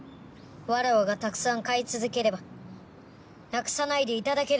わらわがたくさん買い続ければなくさないで頂けるのか？